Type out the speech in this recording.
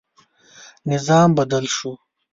نظام بدل شو.